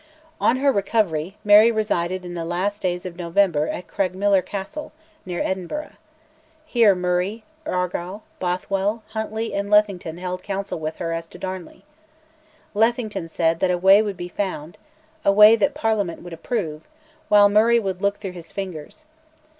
On her recovery Mary resided in the last days of November at Craigmillar Castle, near Edinburgh. Here Murray, Argyll, Bothwell, Huntly, and Lethington held counsel with her as to Darnley. Lethington said that "a way would be found," a way that Parliament would approve, while Murray would "look through his fingers."